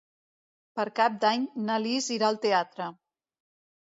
Per Cap d'Any na Lis irà al teatre.